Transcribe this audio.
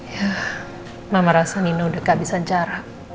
ya mama rasa nino udah gak bisa jarak